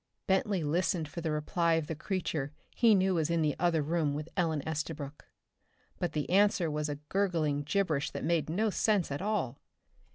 Bentley listened for the reply of the creature he knew was in the other room with Ellen Estabrook. But the answer was a gurgling gibberish that made no sense at all!